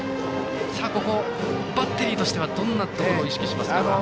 ここバッテリーとしてはどんなところを意識しますか。